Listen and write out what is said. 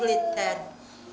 selama ini tidak ada kesulitan